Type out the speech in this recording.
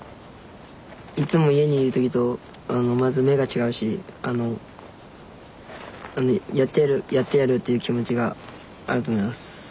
いつも家にいる時とまず目が違うしやってやるやってやるっていう気持ちがあると思います。